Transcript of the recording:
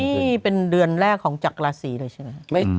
นี่เป็นเดือนแรกของจากราศีเลยใช่ไหมครับ